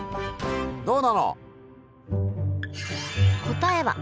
どうなの？